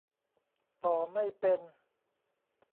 ต่อไม่เป็น